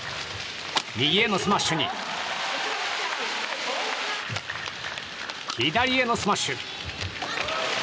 右へのスマッシュに左へのスマッシュ！